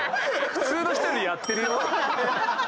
普通の人よりやってるよ。